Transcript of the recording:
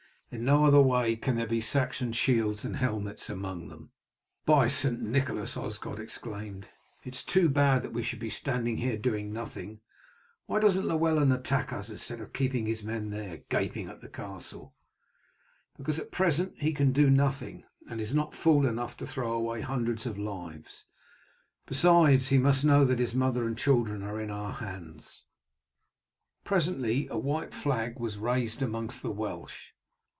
In no other way can there be Saxon shields and helmets among them." "By St. Nicholas!" Osgod exclaimed, "it is too bad that we should be standing here doing nothing. Why doesn't Llewellyn attack us instead of keeping his men gaping there at the castle?" "Because at present he can do nothing, and is not fool enough to throw away hundreds of lives; besides, he must know that his mother and children are in our hands." Presently a white flag was raised among the Welsh.